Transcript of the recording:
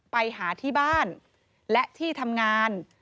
ไปหาที่บ้านและที่ทำงาน